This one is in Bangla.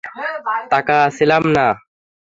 তাকায়া ছিলাম না।